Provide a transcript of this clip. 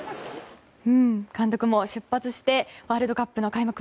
監督も出発してワールドカップの開幕